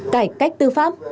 cải cách tư pháp